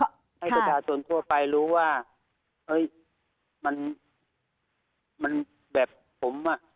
ให้ประชาชนทั่วไปรู้ว่ามันแบบผม